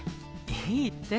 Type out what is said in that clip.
いいって。